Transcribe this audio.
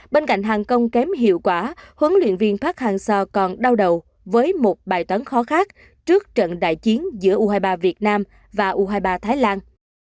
bên cạnh hàng công kém hiệu quả huấn luyện viên park hang seo còn đau đầu với một bài toán khó khác trước trận đại chiến giữa u hai mươi ba việt nam và u hai mươi ba thái lan